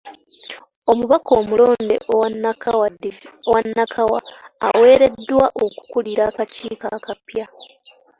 Omubaka omulonde owa Nakawa aweereddwa okukulira akakiiko akapya.